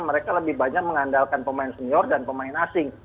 mereka lebih banyak mengandalkan pemain senior dan pemain asing